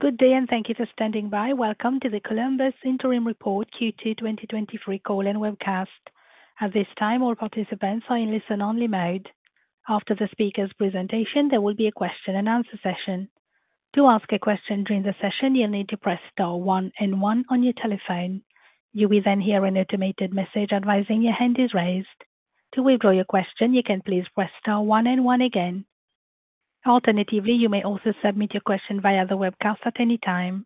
Good day, and thank you for standing by. Welcome to the Columbus Interim Report, Q2 2023 call and webcast. At this time, all participants are in listen-only mode. After the speaker's presentation, there will be a question-and-answer session. To ask a question during the session, you'll need to press Star one and one on your telephone. You will then hear an automated message advising your hand is raised. To withdraw your question, you can please press Star one and one again. Alternatively, you may also submit your question via the webcast at any time.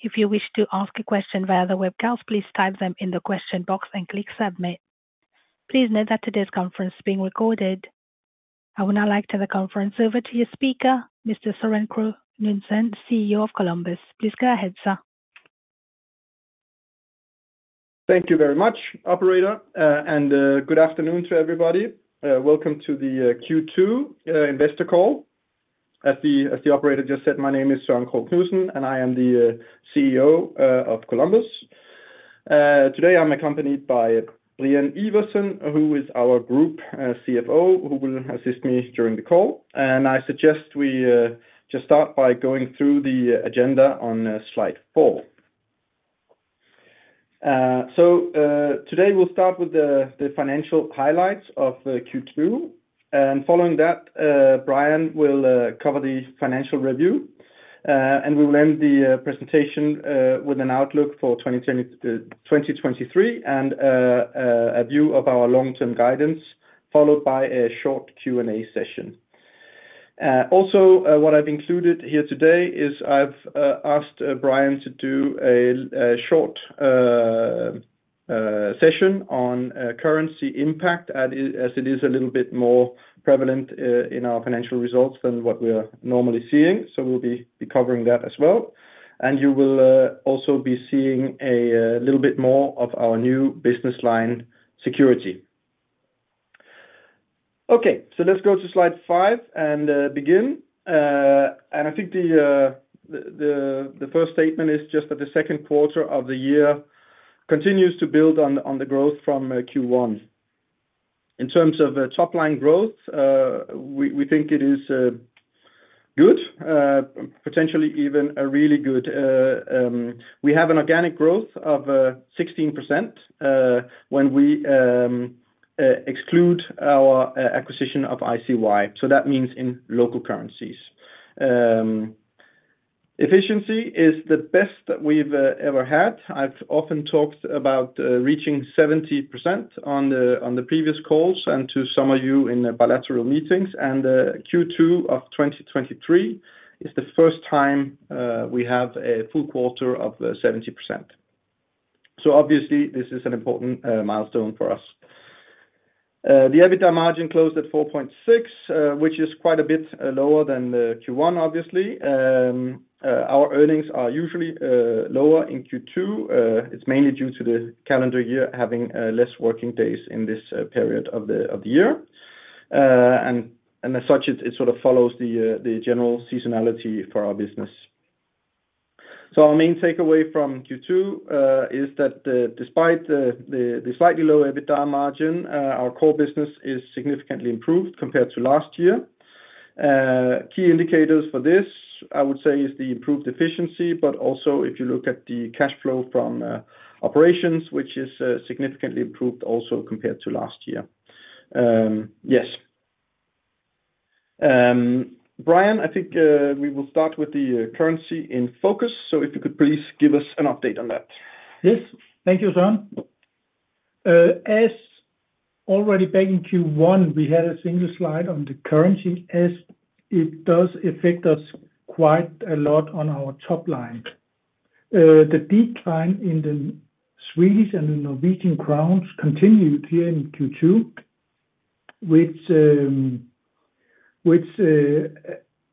If you wish to ask a question via the webcast, please type them in the question box and click Submit. Please note that today's conference is being recorded. I would now like to hand the conference over to your speaker, Mr. Søren Krogh Knudsen, CEO of Columbus. Please go ahead, sir. Thank you very much, operator, and good afternoon to everybody. Welcome to the Q2 investor call. As the operator just said, my name is Søren Krogh Knudsen, and I am the CEO of Columbus. Today I'm accompanied by Brian Iversen, who is our Group CFO, who will assist me during the call. I suggest we just start by going through the agenda on Slide 4. So today we'll start with the financial highlights of Q2, and following that, Brian will cover the financial review. We will end the presentation with an outlook for 2023, and a view of our long-term guidance, followed by a short Q&A session. Also, what I've included here today is I've asked Brian to do a short session on currency impact, as it is a little bit more prevalent in our financial results than what we are normally seeing, so we'll be covering that as well. And you will also be seeing a little bit more of our new business line Security. Okay, so let's go to Slide 5 and begin. And I think the first statement is just that the second quarter of the year continues to build on the growth from Q1. In terms of top-line growth, we think it is good, potentially even a really good. We have an organic growth of 16%, when we exclude our acquisition of ICY, so that means in local currencies. Efficiency is the best we've ever had. I've often talked about reaching 70% on the previous calls and to some of you in the bilateral meetings, and Q2 of 2023 is the first time we have a full quarter of 70%. So obviously, this is an important milestone for us. The EBITDA margin closed at 4.6, which is quite a bit lower than the Q1, obviously. Our earnings are usually lower in Q2. It's mainly due to the calendar year having less working days in this period of the year. As such, it sort of follows the general seasonality for our business. Our main takeaway from Q2 is that despite the slightly lower EBITDA margin, our core business is significantly improved compared to last year. Key indicators for this, I would say, is the improved efficiency, but also if you look at the cash flow from operations, which is significantly improved also compared to last year. Yes. Brian, I think we will start with the currency in focus, so if you could please give us an update on that. Yes. Thank you, Søren. As already back in Q1, we had a single slide on the currency, as it does affect us quite a lot on our top line. The decline in the Swedish and the Norwegian crowns continued here in Q2, which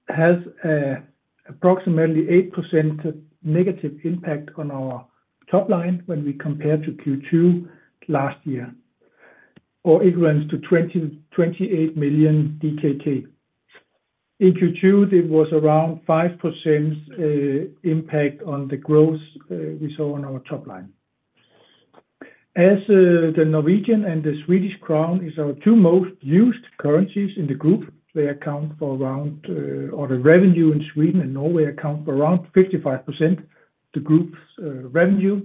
has a approximately 8% negative impact on our top line when we compare to Q2 last year, or it runs to 28 million DKK. In Q2, it was around 5% impact on the growth we saw on our top line. As the Norwegian and the Swedish crown is our two most used currencies in the group, they account for around or the revenue in Sweden and Norway account for around 55% the group's revenue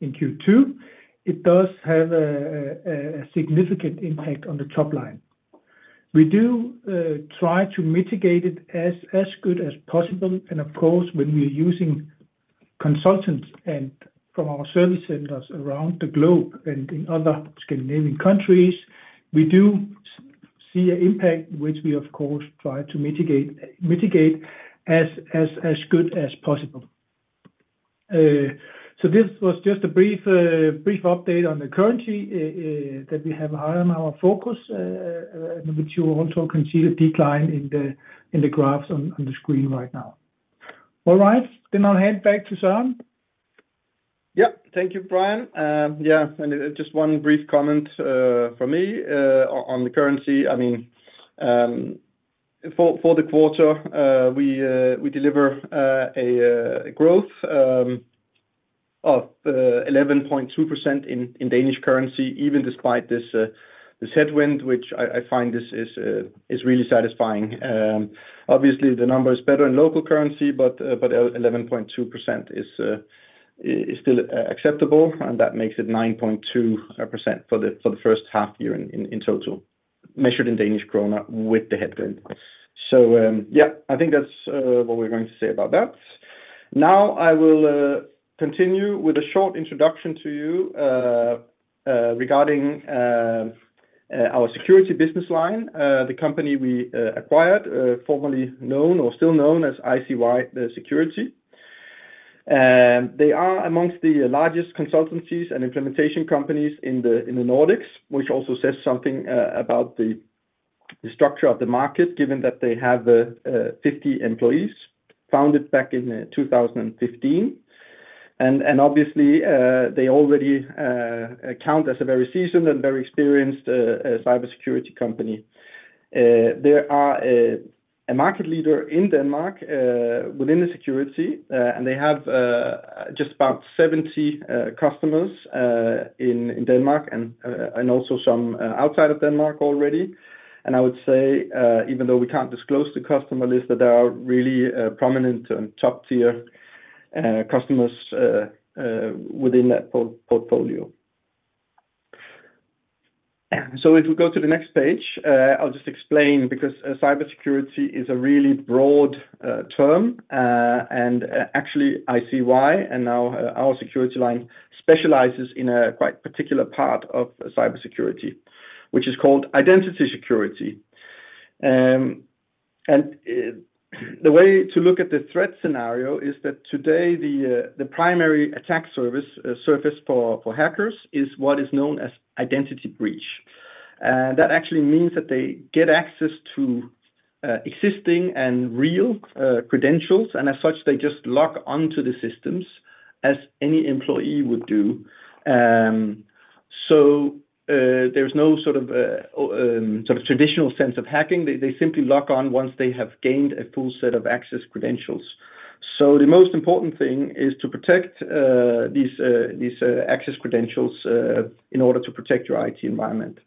in Q2. It does have a significant impact on the top line. We do try to mitigate it as good as possible, and of course, when we're using consultants and from our service centers around the globe and in other Scandinavian countries, we do see an impact, which we, of course, try to mitigate as good as possible. So this was just a brief update on the currency that we have high on our focus, which you will also can see a decline in the graphs on the screen right now. All right, then I'll hand back to Søren. Yep. Thank you, Brian. Yeah, and just one brief comment from me on the currency. I mean, for the quarter, we deliver a growth of 11.2% in Danish currency, even despite this headwind, which I find this is really satisfying. Obviously, the number is better in local currency, but 11.2% is still acceptable, and that makes it 9.2% for the first half year in total, measured in Danish kroner with the headwind. So, yeah, I think that's what we're going to say about that. Now, I will continue with a short introduction to you regarding our Security business line, the company we acquired, formerly known or still known as ICY Security. And they are among the largest consultancies and implementation companies in the Nordics, which also says something about the structure of the market, given that they have 50 employees, founded back in 2015. And obviously, they already count as a very seasoned and very experienced cybersecurity company. They are a market leader in Denmark within the Security, and they have just about 70 customers in Denmark and also some outside of Denmark already. I would say, even though we can't disclose the customer list, that there are really prominent and top-tier customers within that portfolio. So if we go to the next page, I'll just explain, because cybersecurity is a really broad term, and actually, ICY, and now our Security line specializes in a quite particular part of cybersecurity, which is called identity security. And the way to look at the threat scenario is that today, the primary attack surface for hackers is what is known as identity breach. That actually means that they get access to existing and real credentials, and as such, they just lock onto the systems as any employee would do. So there's no sort of traditional sense of hacking. They simply lock on once they have gained a full set of access credentials. So the most important thing is to protect these access credentials in order to protect your IT environment.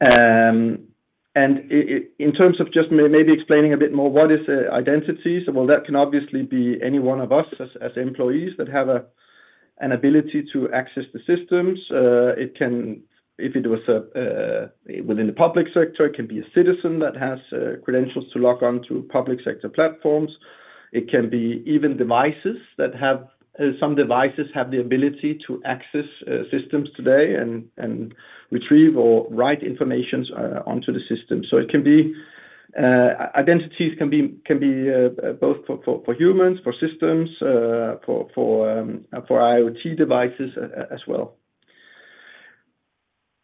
And in terms of just maybe explaining a bit more, what is identities? Well, that can obviously be any one of us as employees that have an ability to access the systems. It can, if it was within the public sector, it can be a citizen that has credentials to log on to public sector platforms. It can be even devices. Some devices have the ability to access systems today and retrieve or write information onto the system. So it can be identities can be both for humans, for systems, for IoT devices as well.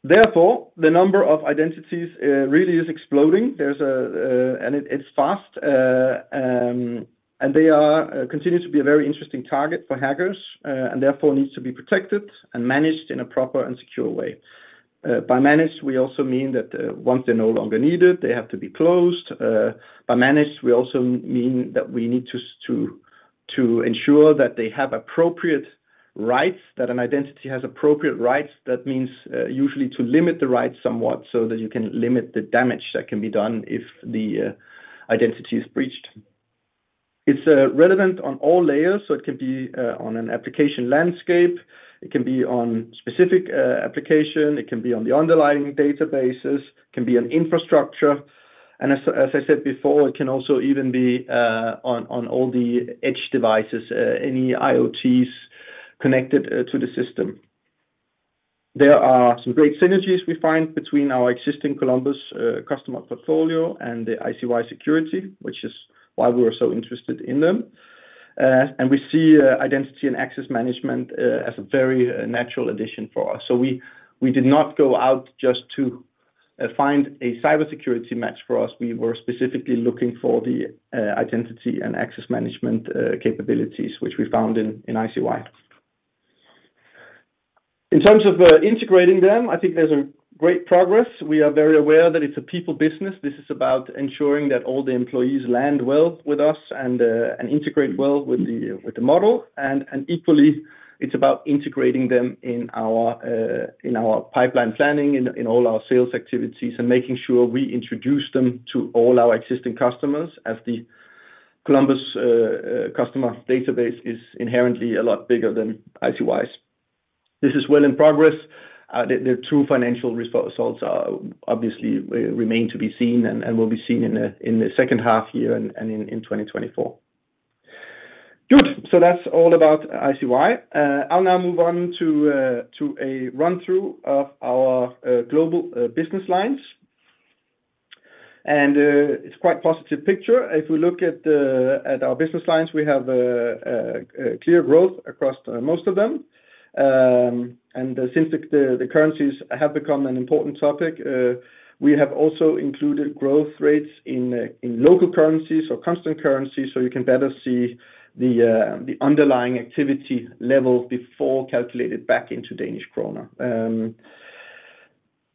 Therefore, the number of identities really is exploding. And it's fast, and they continue to be a very interesting target for hackers, and therefore needs to be protected and managed in a proper and secure way. By managed, we also mean that once they're no longer needed, they have to be closed. By managed, we also mean that we need to ensure that they have appropriate rights, that an identity has appropriate rights. That means usually to limit the rights somewhat so that you can limit the damage that can be done if the identity is breached. It's relevant on all layers, so it can be on an application landscape, it can be on specific application, it can be on the underlying databases, it can be on infrastructure, and as I said before, it can also even be on all the edge devices, any IoTs connected to the system. There are some great synergies we find between our existing Columbus customer portfolio and the ICY Security, which is why we were so interested in them. And we see identity and access management as a very natural addition for us. So we did not go out just to find a cybersecurity match for us. We were specifically looking for the identity and access management capabilities, which we found in ICY. In terms of integrating them, I think there's a great progress. We are very aware that it's a people business. This is about ensuring that all the employees land well with us and integrate well with the model, and equally, it's about integrating them in our pipeline planning, in all our sales activities, and making sure we introduce them to all our existing customers as the Columbus customer database is inherently a lot bigger than ICY's. This is well in progress. The true financial results are obviously remain to be seen and will be seen in the second half year and in 2024. Good! So that's all about ICY. I'll now move on to a run-through of our global business lines. It's quite positive picture. If we look at our business lines, we have clear growth across most of them. Since the currencies have become an important topic, we have also included growth rates in local currencies or constant currencies, so you can better see the underlying activity level before calculated back into Danish kroner.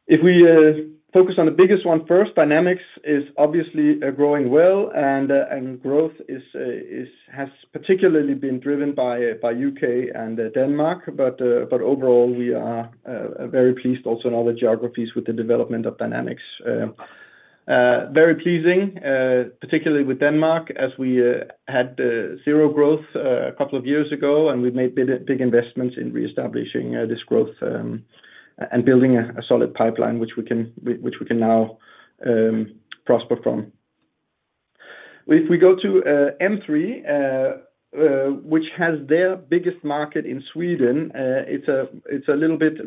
If we focus on the biggest one first, Dynamics is obviously growing well, and growth has particularly been driven by U.K. and Denmark. But overall, we are very pleased also in other geographies with the development of Dynamics. Very pleasing, particularly with Denmark, as we had zero growth a couple of years ago, and we made big, big investments in reestablishing this growth, and building a solid pipeline, which we can now prosper from. If we go to M3, which has their biggest market in Sweden, it's a little bit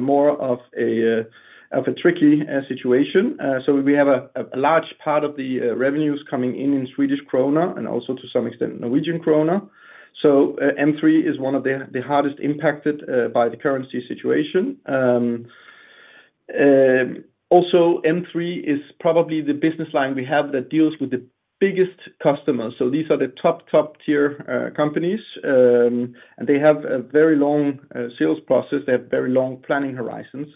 more of a tricky situation. So we have a large part of the revenues coming in in Swedish krona and also, to some extent, Norwegian krona. So M3 is one of the hardest impacted by the currency situation. Also, M3 is probably the business line we have that deals with the biggest customers, so these are the top, top-tier companies, and they have a very long sales process. They have very long planning horizons.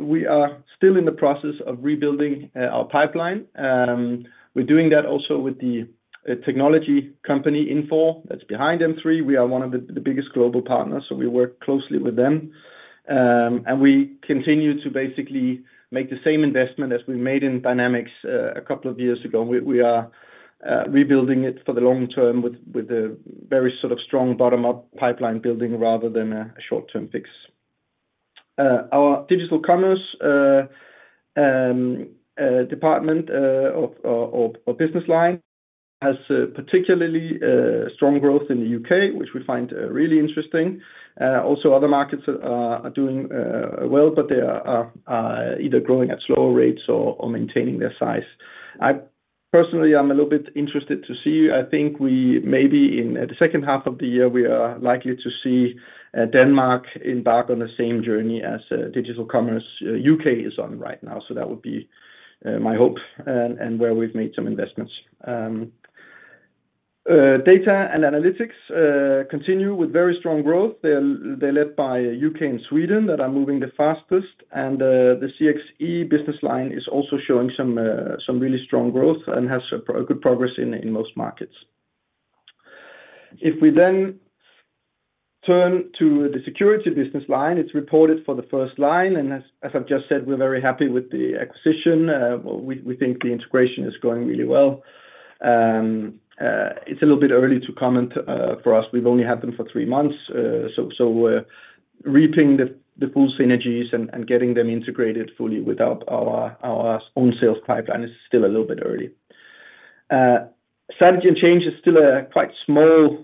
We are still in the process of rebuilding our pipeline. We're doing that also with the technology company, Infor, that's behind M3. We are one of the biggest global partners, so we work closely with them. And we continue to basically make the same investment as we made in Dynamics, a couple of years ago. We are rebuilding it for the long-term with a very sort of strong bottom-up pipeline building rather than a short-term fix. Our Digital Commerce department or business line has particularly strong growth in the U.K., which we find really interesting. Also, other markets are doing well, but they are either growing at slower rates or maintaining their size. I personally am a little bit interested to see. I think we may be in the second half of the year, we are likely to see Denmark embark on the same journey as Digital Commerce U.K. is on right now, so that would be my hope and where we've made some investments. Data and Analytics continue with very strong growth. They're led by U.K. and Sweden that are moving the fastest, and the CXE business line is also showing some really strong growth and has good progress in most markets. If we then turn to the Security business line, it's reported for the first line, and as I've just said, we're very happy with the acquisition. We think the integration is going really well. It's a little bit early to comment for us. We've only had them for three months, so we're reaping the full synergies and getting them integrated fully without our own sales pipeline is still a little bit early. Strategy & Change is still a quite small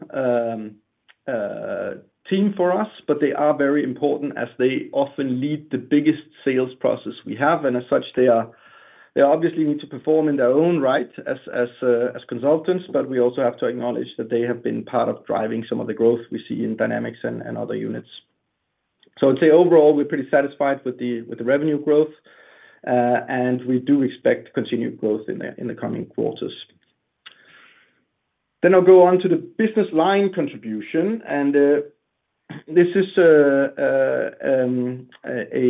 team for us, but they are very important as they often lead the biggest sales process we have. As such, they obviously need to perform in their own right as consultants, but we also have to acknowledge that they have been part of driving some of the growth we see in Dynamics and other units. So I'd say overall, we're pretty satisfied with the revenue growth, and we do expect continued growth in the coming quarters. Then I'll go on to the business line contribution, and this is a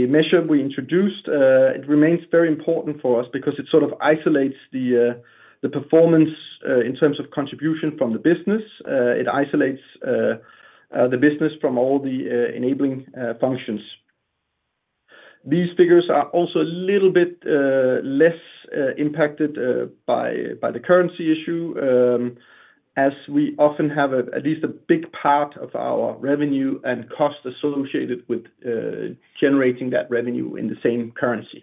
measure we introduced. It remains very important for us because it sort of isolates the performance in terms of contribution from the business. It isolates the business from all the enabling functions. These figures are also a little bit less impacted by the currency issue, as we often have at least a big part of our revenue and cost associated with generating that revenue in the same currency.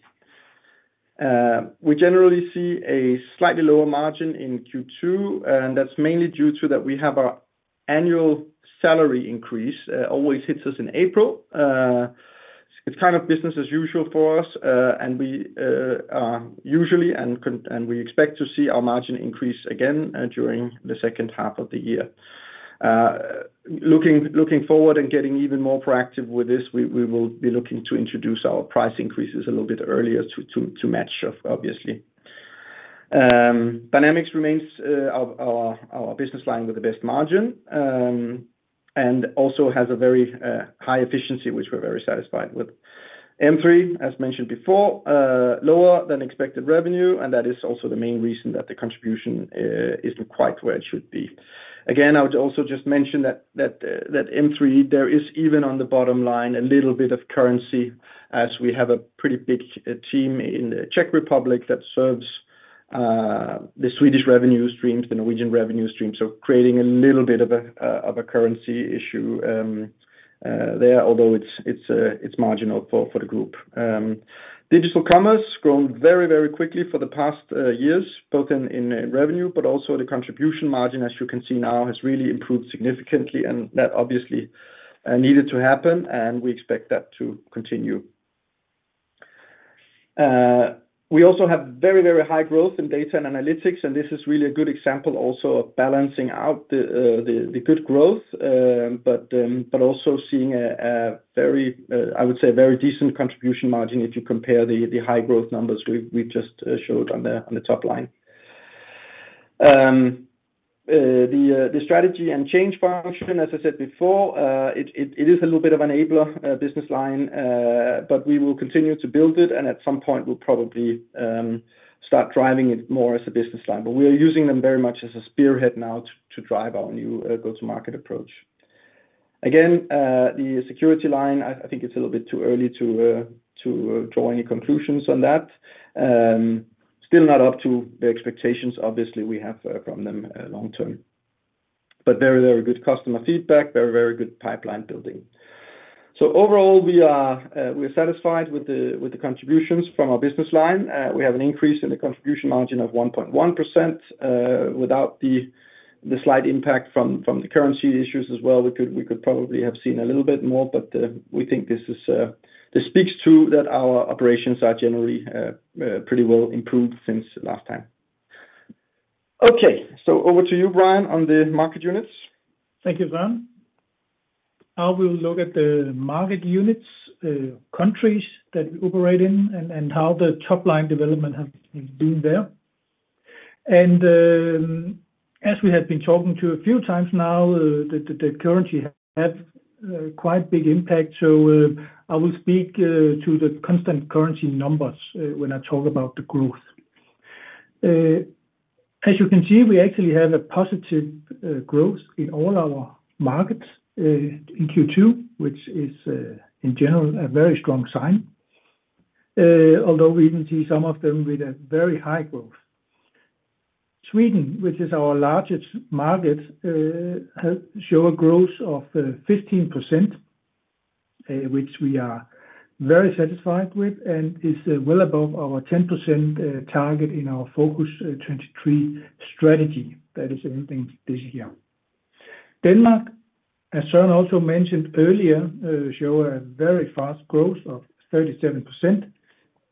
We generally see a slightly lower margin in Q2, and that's mainly due to that we have our annual salary increase always hits us in April. It's kind of business as usual for us, and we usually and we expect to see our margin increase again during the second half of the year. Looking forward and getting even more proactive with this, we will be looking to introduce our price increases a little bit earlier to match, obviously. Dynamics remains our business line with the best margin, and also has a very high efficiency, which we're very satisfied with. M3, as mentioned before, lower than expected revenue, and that is also the main reason that the contribution isn't quite where it should be. Again, I would also just mention that M3, there is even on the bottom line a little bit of currency, as we have a pretty big team in the Czech Republic that serves the Swedish revenue streams, the Norwegian revenue streams, so creating a little bit of a currency issue there, although it's marginal for the group. Digital ommerce grown very, very quickly for the past years, both in revenue, but also the contribution margin, as you can see now, has really improved significantly, and that obviously needed to happen, and we expect that to continue. We also have very, very high growth in Data and Analytics, and this is really a good example also of balancing out the good growth, but also seeing a very, I would say, a very decent contribution margin if you compare the high growth numbers we just showed on the top line. The Strategy & Change function, as I said before, it is a little bit of an enabler business line. But we will continue to build it, and at some point we'll probably start driving it more as a business line. But we are using them very much as a spearhead now to drive our new go-to-market approach. Again, the Security line, I think it's a little bit too early to draw any conclusions on that. Still not up to the expectations, obviously, we have from them long-term. But very, very good customer feedback, very, very good pipeline building. So overall, we are satisfied with the contributions from our business line. We have an increase in the contribution margin of 1.1%. Without the slight impact from the currency issues as well, we could probably have seen a little bit more, but we think this speaks to that our operations are generally pretty well improved since last time. Okay, so over to you, Brian, on the market units. Thank you, Søren. I will look at the market units, countries that we operate in and how the top line development have been there. As we have been talking to a few times now, the currency have quite big impact. So, I will speak to the constant currency numbers when I talk about the growth. As you can see, we actually have a positive growth in all our markets in Q2, which is in general a very strong sign. Although we even see some of them with a very high growth. Sweden, which is our largest market, has show a growth of 15%, which we are very satisfied with, and is well above our 10% target in our Focus23 strategy. That is ending this year. Denmark, as Søren also mentioned earlier, shows a very fast growth of 37%,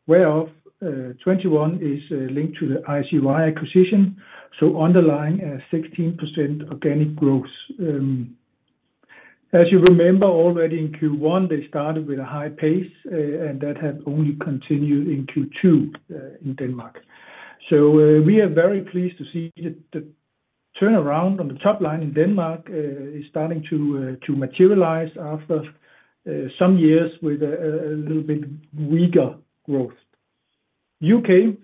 whereof, 21 is linked to the ICY acquisition, so underlying a 16% organic growth. As you remember already in Q1, they started with a high pace, and that had only continued in Q2, in Denmark. So, we are very pleased to see the turnaround on the top line in Denmark is starting to materialize after some years with a little bit weaker growth. U.K.,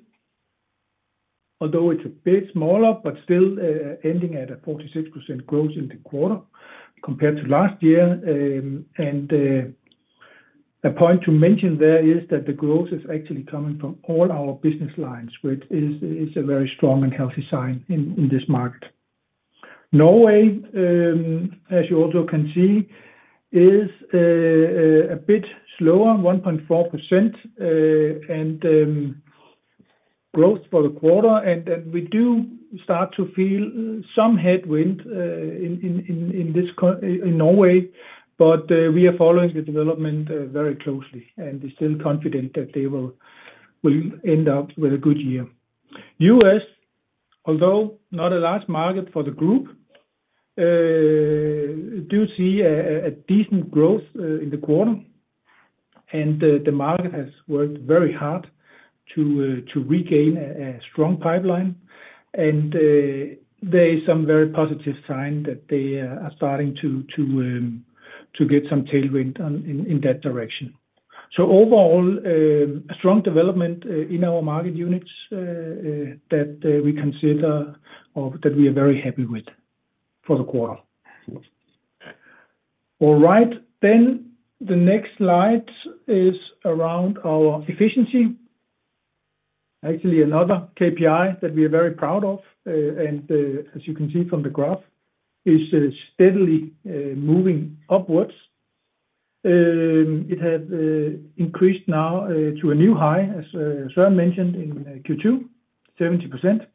although it's a bit smaller, but still, ending at a 46% growth in the quarter compared to last year. And, a point to mention there is that the growth is actually coming from all our business lines, which is a very strong and healthy sign in this market. Norway, as you also can see, is a bit slower, 1.4% growth for the quarter. And then we do start to feel some headwind in Norway, but we are following the development very closely and is still confident that they will end up with a good year. U.S., although not a large market for the group, do see a decent growth in the quarter, and the market has worked very hard to regain a strong pipeline. And there is some very positive sign that they are starting to get some tailwind in that direction. So overall, a strong development in our market units that we consider or that we are very happy with for the quarter. All right, then the next slide is around our efficiency. Actually, another KPI that we are very proud of, and as you can see from the graph, is steadily moving upwards. It has increased now to a new high, as Søren mentioned in Q2, 70%.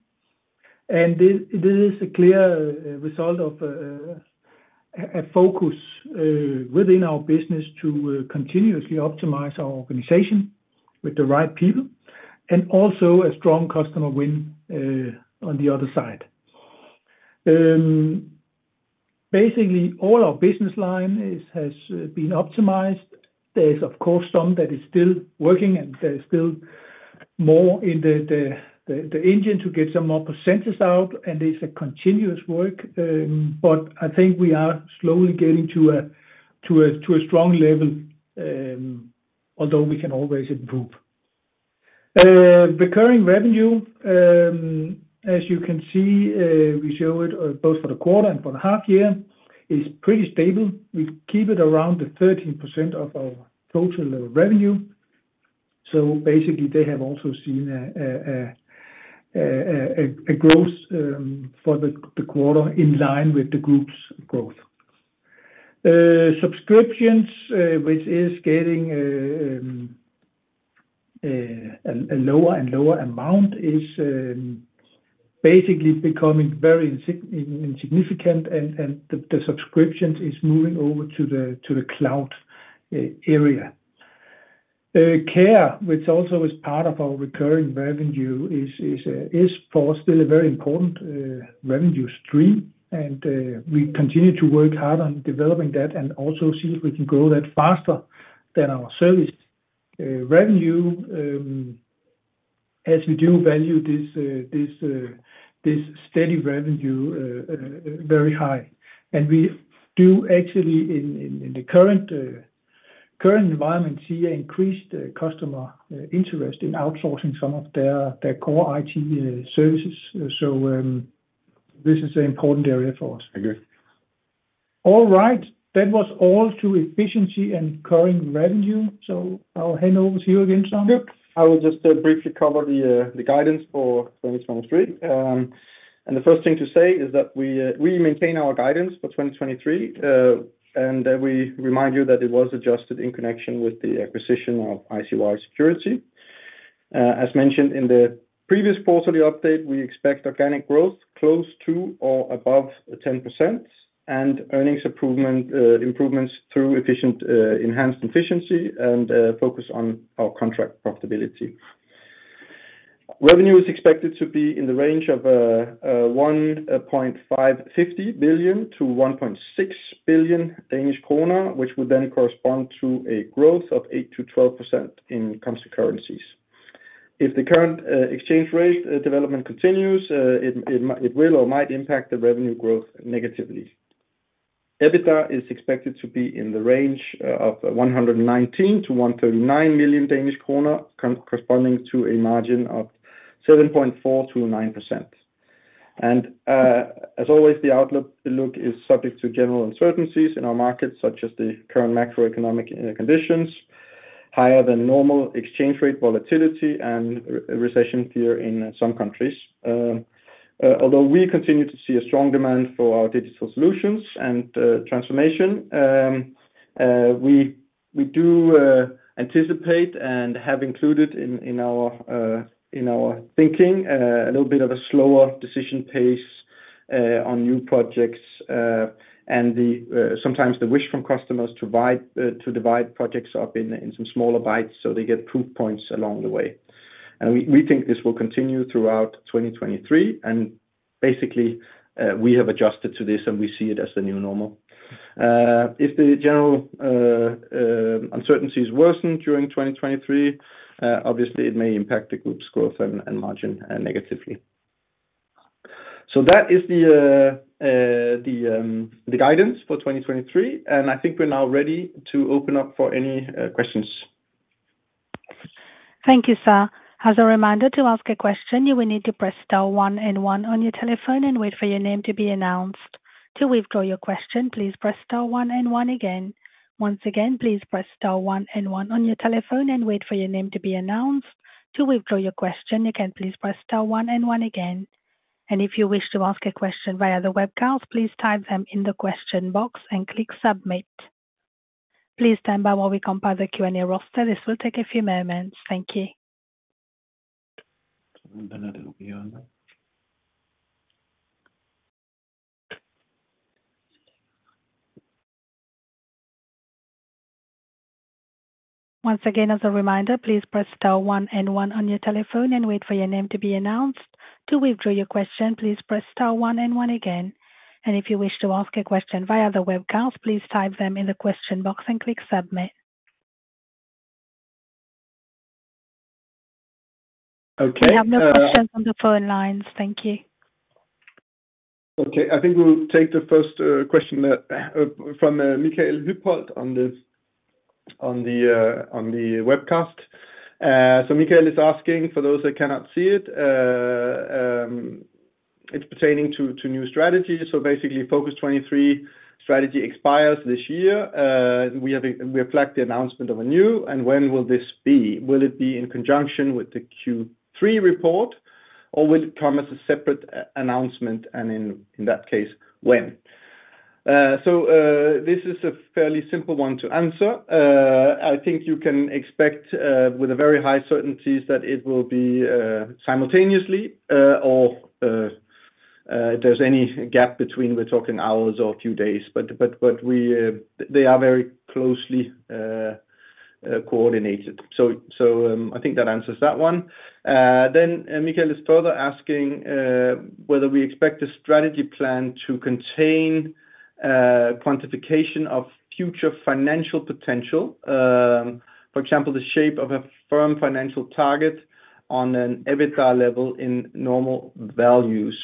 And this is a clear result of a focus within our business to continuously optimize our organization with the right people, and also a strong customer win on the other side. Basically, all our business line has been optimized. There is, of course, some that is still working, and there is still more in the engine to get some more percentages out, and it's a continuous work. But I think we are slowly getting to a strong level, although we can always improve. Recurring revenue, as you can see, we show it both for the quarter and for the half year, is pretty stable. We keep it around the 13% of our total revenue. So basically, they have also seen a growth for the quarter in line with the group's growth. Subscriptions, which is getting a lower and lower amount, is basically becoming very insignificant, and the subscriptions is moving over to the cloud area. Care, which also is part of our recurring revenue, is still a very important revenue stream, and we continue to work hard on developing that and also see if we can grow that faster than our service revenue, as we do value this steady revenue very high. And we do actually in the current environment see increased customer interest in outsourcing some of their core IT services. So, this is an important area for us. Thank you. All right. That was all to efficiency and current revenue, so I'll hand over to you again, Søren. Yep. I will just briefly cover the guidance for 2023. The first thing to say is that we maintain our guidance for 2023. We remind you that it was adjusted in connection with the acquisition of ICY Security. As mentioned in the previous quarterly update, we expect organic growth close to or above 10%, and earnings improvement, improvements through efficient, enhanced efficiency and focus on our contract profitability. Revenue is expected to be in the range of 1.55 billion-1.6 billion Danish kroner, which would then correspond to a growth of 8%-12% in constant currencies. If the current exchange rate development continues, it might, it will or might impact the revenue growth negatively. EBITDA is expected to be in the range of 119 million-139 million Danish kroner, corresponding to a margin of 7.4%-9%. As always, the outlook is subject to general uncertainties in our markets, such as the current macroeconomic conditions, higher than normal exchange rate volatility, and recession fear in some countries. Although we continue to see a strong demand for our Digital Solutions and Transformation, we do anticipate and have included in our thinking a little bit of a slower decision pace on new projects, and sometimes the wish from customers to divide projects up in some smaller bites so they get proof points along the way. And we think this will continue throughout 2023, and basically, we have adjusted to this, and we see it as the new normal. If the general uncertainties worsen during 2023, obviously it may impact the group's growth and margin negatively. So that is the guidance for 2023, and I think we're now ready to open up for any questions. Thank you, sir. As a reminder, to ask a question, you will need to press Star one and one on your telephone and wait for your name to be announced. To withdraw your question, please press Star one and one again. Once again, please press Star one and one on your telephone and wait for your name to be announced. To withdraw your question, you can please press Star one and one again, and if you wish to ask a question via the webcast, please type them in the question box and click Submit. Please stand by while we compile the Q&A roster. This will take a few moments. Thank you. Once again, as a reminder, please press Star one and one on your telephone and wait for your name to be announced. To withdraw your question, please press Star one one again, and if you wish to ask a question via the webcast, please type them in the question box and click Submit. Okay, uh- We have no questions on the phone lines. Thank you. Okay. I think we'll take the first question from Michael Hybholt on the webcast. So Michael is asking for those that cannot see it, it's pertaining to new strategies. So basically, Focus23 strategy expires this year. We have, we reflect the announcement of a new, and when will this be? Will it be in conjunction with the Q3 report, or will it come as a separate announcement, and in that case, when? So, this is a fairly simple one to answer. I think you can expect, with a very high certainties that it will be, simultaneously, or, if there's any gap between, we're talking hours or a few days. But they are very closely coordinated. I think that answers that one. Then, Michael is further asking whether we expect the strategy plan to contain quantification of future financial potential, for example, the shape of a firm financial target on an EBITDA level in normal values.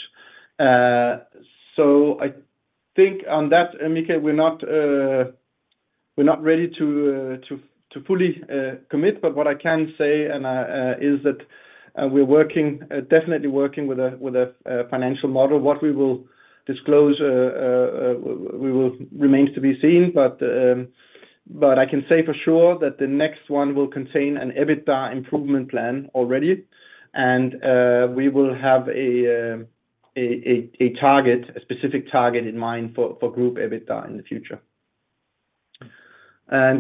So I think on that, Michael, we're not ready to fully commit, but what I can say is that we're definitely working with a financial model. What we will disclose... remains to be seen, but I can say for sure that the next one will contain an EBITDA improvement plan already, and we will have a specific target in mind for group EBITDA in the future.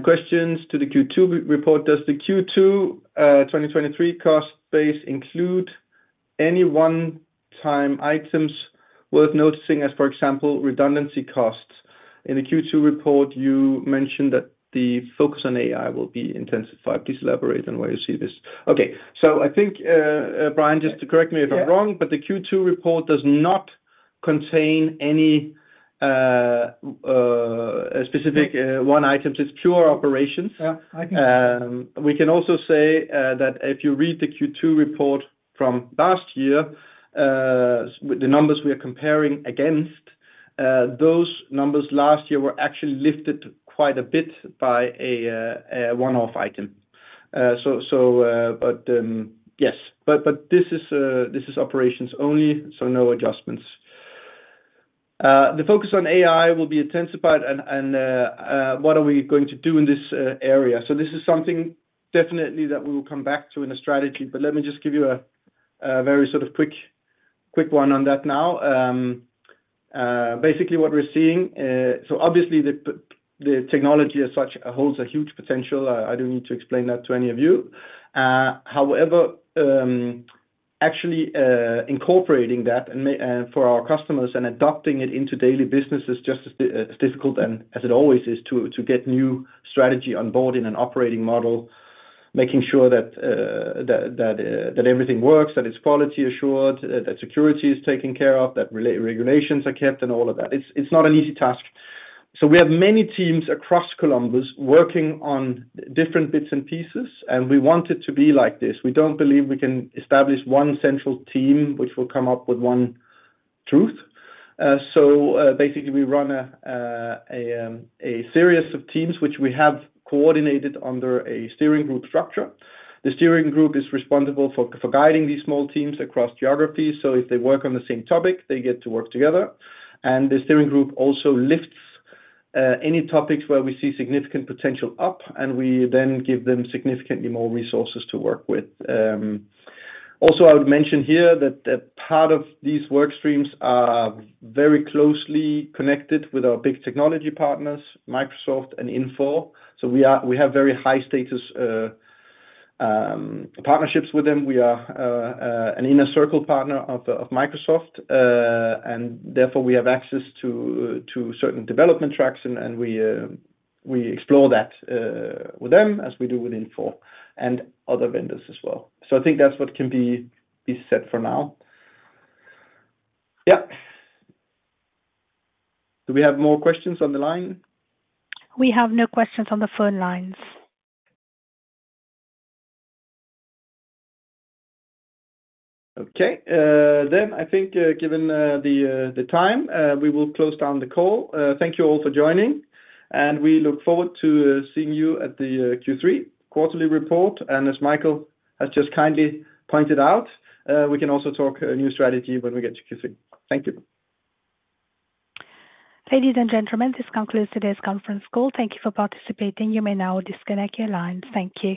Questions to the Q2 report. Does the Q2 2023 cost base include any one-time items worth noticing as, for example, redundancy costs? In the Q2 report, you mentioned that the focus on AI will be intensified. Please elaborate on where you see this. Okay. So I think, Brian, just to correct me if I'm wrong- Yeah. but the Q2 report does not contain any specific one-off items. It's pure operations. Yeah, I can- We can also say that if you read the Q2 report from last year, with the numbers we are comparing against, those numbers last year were actually lifted quite a bit by a one-off item. So, but yes, but this is operations only, so no adjustments. The focus on AI will be intensified and, and what are we going to do in this area? So this is something definitely that we will come back to in the strategy. But let me just give you a very sort of quick one on that now. Basically, what we're seeing, so obviously, the technology as such holds a huge potential. I don't need to explain that to any of you. However, actually, incorporating that and for our customers and adopting it into daily business is just as difficult as it always is to get new strategy on board in an operating model, making sure that everything works, that it's quality assured, that Security is taken care of, that regulations are kept, and all of that. It's not an easy task. So we have many teams across Columbus working on different bits and pieces, and we want it to be like this. We don't believe we can establish one central team, which will come up with one truth. So, basically, we run a series of teams which we have coordinated under a steering group structure. The steering group is responsible for guiding these small teams across geographies. So if they work on the same topic, they get to work together. The steering group also lifts any topics where we see significant potential up, and we then give them significantly more resources to work with. Also, I would mention here that that part of these work streams are very closely connected with our big technology partners, Microsoft and Infor. So we have very high status partnerships with them. We are an Inner Circle partner of Microsoft. And therefore, we have access to certain development tracks, and we explore that with them as we do with Infor and other vendors as well. So I think that's what can be said for now. Yep. Do we have more questions on the line? We have no questions on the phone lines. Okay. I think, given the time, we will close down the call. Thank you all for joining, and we look forward to seeing you at the Q3 quarterly report. As Michael has just kindly pointed out, we can also talk a new strategy when we get to Q3. Thank you. Ladies and gentlemen, this concludes today's conference call. Thank you for participating. You may now disconnect your lines. Thank you.